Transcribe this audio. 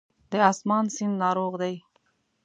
د آسمان سیند ناروغ دی